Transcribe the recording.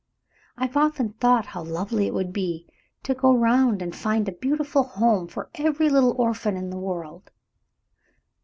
I've often thought how lovely it would be to go around and find a beautiful home for every little orphan in the world.